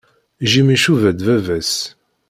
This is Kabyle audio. Jim icuba-d baba-s.